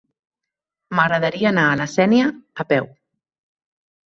M'agradaria anar a la Sénia a peu.